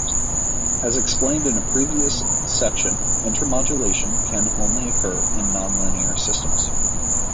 As explained in a previous section, intermodulation can only occur in non-linear systems.